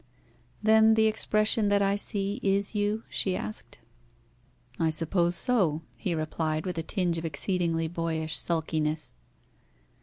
"Then the expression that I see is you?" she asked. "I suppose so," he replied, with a tinge of exceedingly boyish sulkiness.